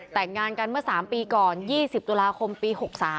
แต่งงานกันเมื่อ๓ปีก่อน๒๐ตุลาคมปี๖๓